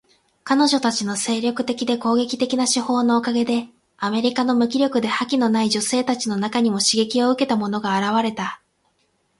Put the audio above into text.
彼女たちの精力的で攻撃的な手法のおかげで、アメリカの無気力で覇気のない女性たちの中にも刺激を受けた者が現れた。